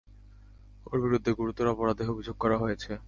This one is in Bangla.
ওর বিরুদ্ধে গুরুতর অপরাধের অভিযোগ করা হয়েছে।